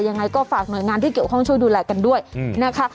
ยังไงก็ฝากหน่วยงานที่เกี่ยวข้องช่วยดูแลกันด้วยนะคะ